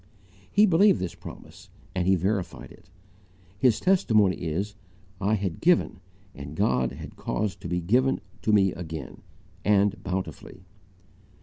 He believed this promise and he verified it. His testimony is: "I had GIVEN, and God had caused to be GIVEN TO ME AGAIN, and bountifully."